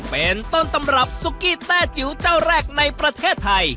เป็นต้นตำรับซุกี้แต้จิ๋วเจ้าแรกในประเทศไทย